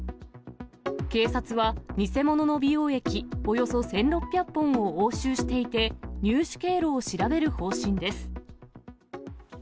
警察は、偽物の美容液およそ１６００本を押収していて、入手経路を調べる方針です。